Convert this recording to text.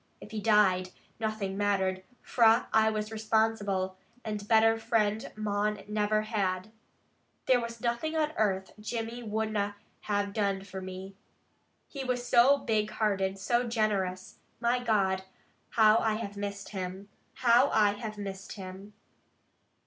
If he died, nothing mattered, fra I was responsible, and better friend mon never had. There was nothing on earth Jimmy would na have done for me. He was so big hearted, so generous! My God, how I have missed him! How I have missed him!"